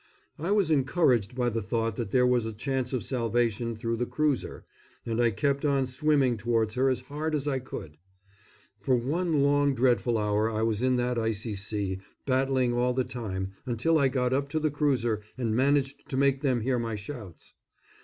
I was encouraged by the thought that there was a chance of salvation through the cruiser, and I kept on swimming towards her as hard as I could. For one long dreadful hour I was in that icy sea, battling all the time, until I got up to the cruiser and managed to make them hear my shouts.